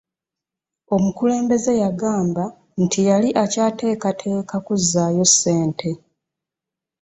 Omukulembeze yagamba nti yali akyateekateeka kuzzaayo ssente.